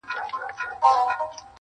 • نوريې دلته روزي و ختمه سوې,